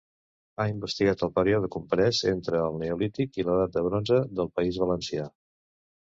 Ha investigat el període comprès entre el Neolític i l'edat del bronze del País Valencià.